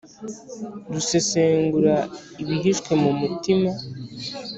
rusesengura ibihishwe mu mutima